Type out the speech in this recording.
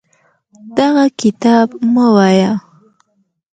دغه کتاب مه وایه.